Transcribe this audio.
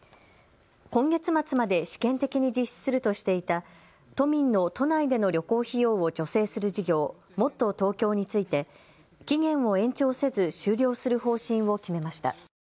今月末まで試験的に実施するとしていた都民の都内での旅行費用を助成する事業、もっとＴｏｋｙｏについて期限を延長せず終了する方針を決めました。